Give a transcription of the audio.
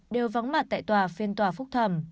đều vắng mặt tại tòa phiên tòa phúc thẩm